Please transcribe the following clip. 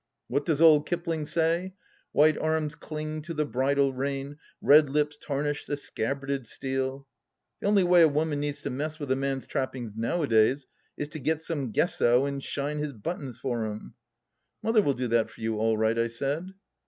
What does old Kipling say ? White arms cling to the bridle rein — Bed lips tarnish the scabbarded steel The only way a woman needs to mess with a man's trappings nowadays is to get some Gesso and shine his buttons for him !"" Mother will do that for you all right," I said.